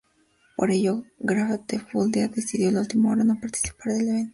Por ello, Grateful Dead decidió a última hora no participar del evento.